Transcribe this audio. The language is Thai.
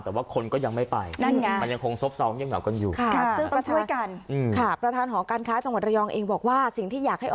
แต่ว่าคนก็ยังไม่ไปนั่นไงมันยังคงซบเซาเงียบเหงากันอยู่ค่ะ